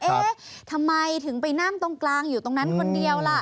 เอ๊ะทำไมถึงไปนั่งตรงกลางอยู่ตรงนั้นคนเดียวล่ะ